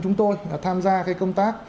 chúng tôi tham gia cái công tác